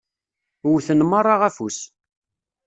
Wwten meṛṛa afus.